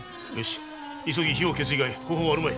急ぎ火を消す以外方法はあるまい！